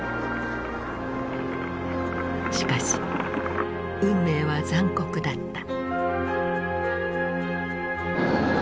しかし運命は残酷だった。